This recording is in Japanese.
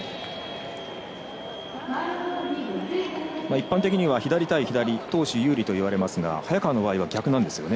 一般的には左対左投手有利といわれますが早川の場合は逆なんですよね。